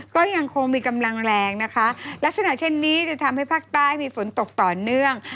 ก็ยังคงมีกำลังแรงนะคะลักษณะเช่นนี้จะทำให้ภาคใต้มีฝนตกต่อเนื่อง